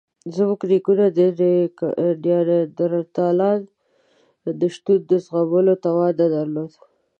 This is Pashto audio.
زموږ نیکونو د نیاندرتالانو د شتون د زغملو توان نه درلود.